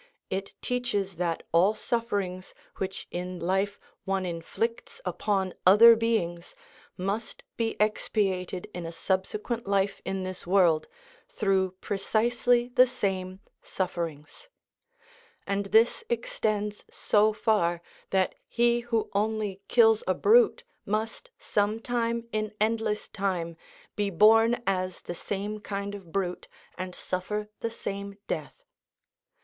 It teaches that all sufferings which in life one inflicts upon other beings must be expiated in a subsequent life in this world, through precisely the same sufferings; and this extends so far, that he who only kills a brute must, some time in endless time, be born as the same kind of brute and suffer the same death.